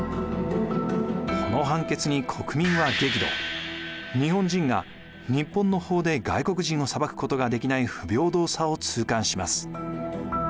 この判決に日本人が日本の法で外国人を裁くことができない不平等さを痛感します。